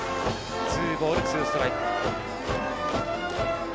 ツーボールツーストライク。